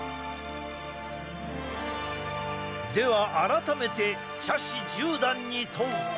では、改めて茶師十段に問う。